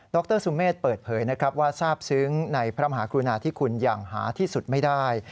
รสุเมฆเปิดเผยนะครับว่าทราบซึ้งในพระมหากรุณาธิคุณอย่างหาที่สุดไม่ได้